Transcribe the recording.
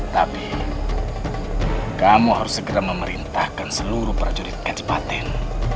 tapi kamu harus segera memerintahkan seluruh prajurit kecepatan